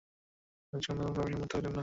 রাজকন্যা কোন ক্রমেই সম্মত হইলেন না।